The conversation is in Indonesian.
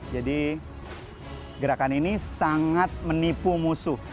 jadi gerakan ini sangat menipu musuh